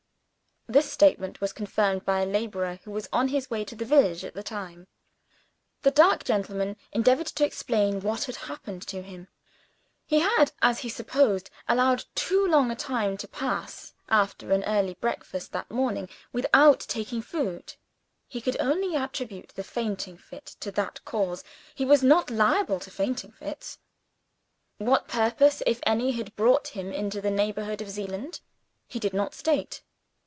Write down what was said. This statement was confirmed by a laborer, who was on his way to the village at the time. The dark gentleman endeavored to explain what had happened to him. He had, as he supposed, allowed too long a time to pass (after an early breakfast that morning), without taking food: he could only attribute the fainting fit to that cause. He was not liable to fainting fits. What purpose (if any) had brought him into the neighborhood of Zeeland, he did not state.